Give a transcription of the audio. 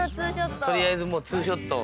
取りあえずもうツーショット。